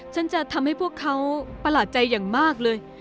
จะทำให้พวกเขาประหลาดใจอย่างมากเลย